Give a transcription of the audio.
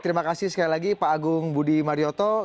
terima kasih sekali lagi pak agung budi marioto